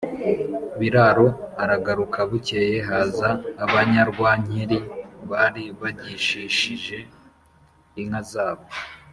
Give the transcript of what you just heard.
Biraro aragaruka Bukeye haza abanyarwankeri bari bagishishije inka zabo